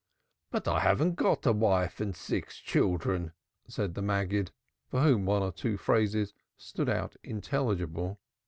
"But I haven't got a wife and six children," said the Maggid, for whom one or two phrases stood out intelligible.